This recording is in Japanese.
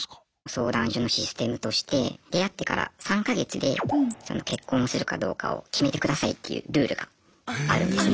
相談所のシステムとして出会ってから３か月で結婚するかどうかを決めてくださいっていうルールがあるんですね。